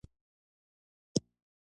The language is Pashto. جانداد د خندا رڼا خپروي.